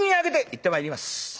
「行ってまいります。